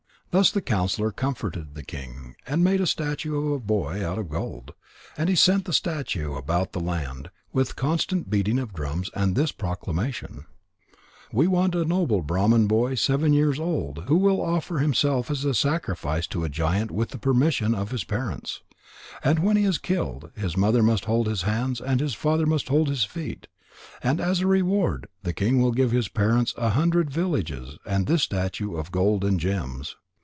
Thus the counsellor comforted the king, and made a statue of a boy out of gold. And he sent the statue about the land, with constant beating of drums and this proclamation: "We want a noble Brahman boy seven years old who will offer himself as a sacrifice to a giant with the permission of his parents. And when he is killed, his mother must hold his hands, and his father must hold his feet. And as a reward, the king will give his parents a hundred villages and this statue of gold and gems."